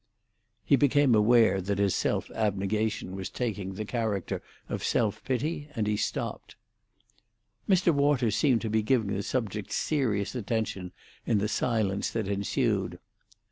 He became aware that his self abnegation was taking the character of self pity, and he stopped. Mr. Waters seemed to be giving the subject serious attention in the silence that ensued.